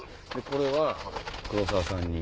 これは黒沢さんに。